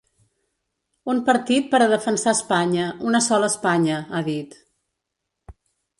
Un partit per a defensar Espanya, una sola Espanya, ha dit.